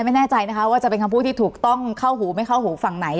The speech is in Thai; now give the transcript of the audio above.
ไม่แน่ใจนะคะว่าจะเป็นคำพูดที่ถูกต้องเข้าหูไม่เข้าหูฝั่งไหน